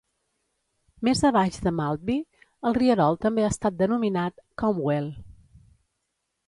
Més a baix de Maltby, el rierol també ha estat denominat "Comwell".